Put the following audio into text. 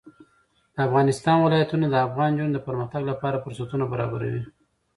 د افغانستان ولايتونه د افغان نجونو د پرمختګ لپاره فرصتونه برابروي.